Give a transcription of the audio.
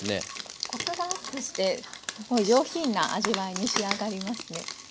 コクがアップして上品な味わいに仕上がりますね。